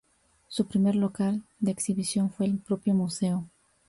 Su primer local de exhibición fue el propio Museo.